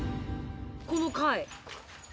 この貝。